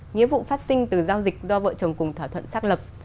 nghĩa vụ phát sinh từ giao dịch do vợ chồng cùng thỏa thuận xác lập